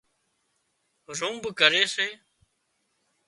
رنڀ ڪري سي